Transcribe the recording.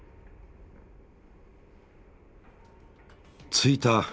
着いた！